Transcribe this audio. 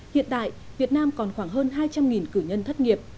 hiện tại việt nam còn khoảng hơn hai trăm linh cử nhân thất nghiệp